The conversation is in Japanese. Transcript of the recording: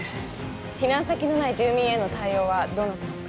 避難先のない住民への対応はどうなってますか？